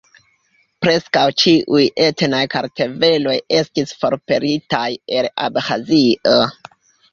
Preskaŭ ĉiuj etnaj kartveloj estis forpelitaj el Abĥazio.